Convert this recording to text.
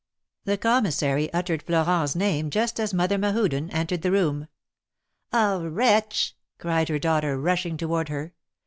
The Commissary uttered Florent^s name just as Mother Mehuden entered the room. "Ah ! wretch!" cried her daughter, rushing toward her.